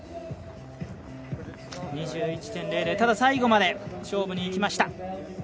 ただ最後まで勝負にいきました。